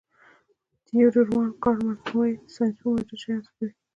تیودور وان کارمن وايي ساینسپوه موجود شیان سپړي.